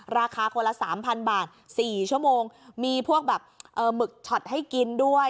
ราคาคนละสามพันบาทสี่ชั่วโมงมีพวกแบบเอ่อหมึกช็อตให้กินด้วย